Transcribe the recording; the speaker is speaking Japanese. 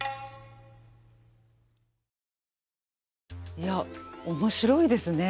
いや面白いですね。